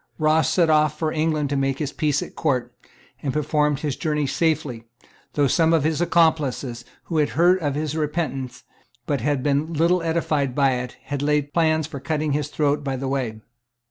Ross set off for England to make his peace at court, and performed his journey in safety, though some of his accomplices, who had heard of his repentance, but had been little edified by it, had laid plans for cutting his throat by the way.